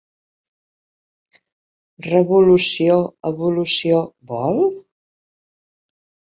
Revolució-Evolució-Vol?...